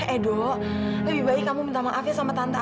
edo lebih baik kamu minta maaf ya sama tante aku